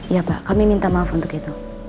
ya pak kami minta maaf untuk itu